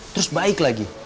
terus baik lagi